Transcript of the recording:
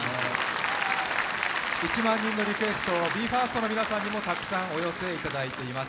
１万人のリクエスト、ＢＥ：ＦＩＲＳＴの皆さんにもたくさんお寄せいただいております。